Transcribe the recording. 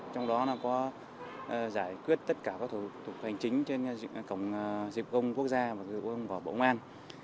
trong đó có giải quyết tất cả các thủ tục hành chính trên cổng dịch vụ công quốc gia và dịch vụ công của bộ ngoan